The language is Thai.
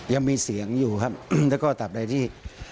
ยังมีเสียงอยู่ครับแล้วก็ตับใดที่